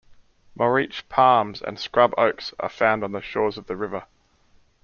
Moriche palms and scrub oaks are found on the shores of the river.